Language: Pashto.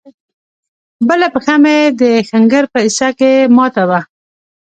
بله پښه مې د ښنگر په حصه کښې ماته وه.